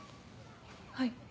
はい。